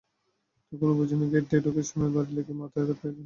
তখনো বুঝিনি গেট দিয়ে ঢোকার সময় বাড়ি লেগে মাথায় আঘাত পেয়েছিলাম।